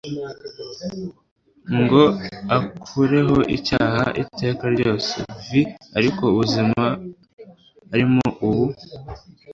ngo akureho icyaha iteka ryose v ariko ubuzima arimo ubu